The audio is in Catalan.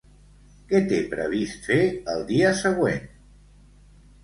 Què té previst fer el dia següent?